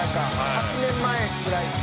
「８年前ぐらいです。